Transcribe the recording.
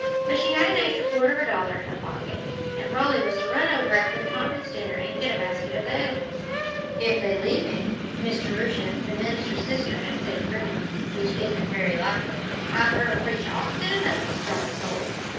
But she had an extra quarter of a dollar in her pocket, and Polly was to run over after the Conference dinner and get a basket of the eatables. "If they leave any," Miss Jerusha, the minister's sister, had said grimly, "which isn't very likely. I've heard 'em preach often enough of starved souls.